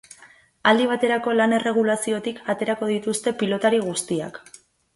Aldi baterako lan-erregulaziotik aterako dituzte pilotari guztiak.